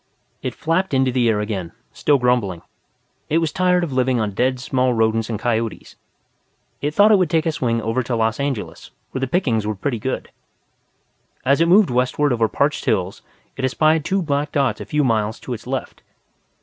It flapped into the air again, still grumbling. It was tired of living on dead small rodents and coyotes. It thought it would take a swing over to Los Angeles, where the pickings were pretty good. As it moved westward over parched hills, it espied two black dots a few miles to its left.